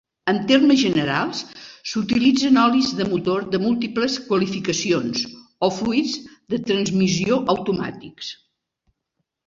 En termes generals, s'utilitzen olis de motor de múltiples qualificacions o fluids de transmissió automàtics.